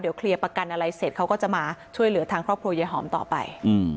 เดี๋ยวเคลียร์ประกันอะไรเสร็จเขาก็จะมาช่วยเหลือทางครอบครัวยายหอมต่อไป